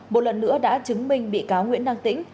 một lần nữa đã chứng minh bị cáo nguyễn đăng tĩnh